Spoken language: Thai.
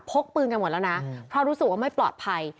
กปืนกันหมดแล้วนะเพราะรู้สึกว่าไม่ปลอดภัย